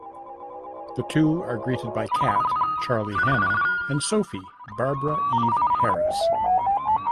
The two are greeted by Cat (Charlie Hannah) and Sophie (Barbara Eve Harris).